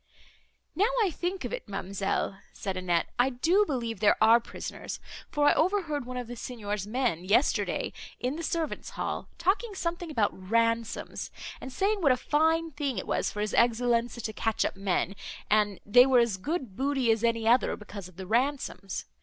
"Now I think of it, ma'amselle," said Annette, "I do believe there are prisoners, for I overheard one of the Signor's men, yesterday, in the servants hall, talking something about ransoms, and saying what a fine thing it was for his Excellenza to catch up men, and they were as good booty as any other, because of the ransoms.